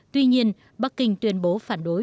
tuy nhiên bắc kinh tuyên bố phản đối